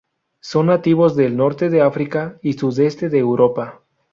Son nativos del norte de África y sudeste de Europa.